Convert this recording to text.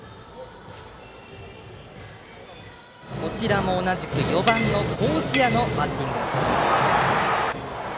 こちらも同じく４番、麹家のバッティング。